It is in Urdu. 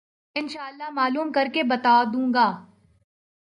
ان شاءاللہ معلوم کر کے بتا دوں گا۔